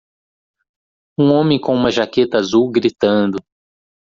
Um homem com uma jaqueta azul gritando.